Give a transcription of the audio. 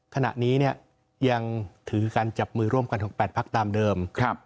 ขณะนี้เนี่ยยังถือการจับมือร่วมกันของแปดพักตามเดิมครับ